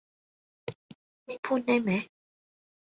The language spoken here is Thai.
ไม่พูดได้มะ